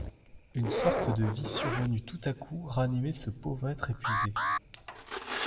Une sorte de vie survenue tout à coup ranimait ce pauvre être épuisé.